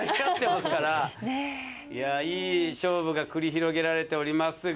いやいい勝負が繰り広げられておりますが。